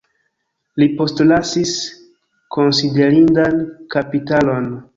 Li postlasis konsiderindan kapitalon.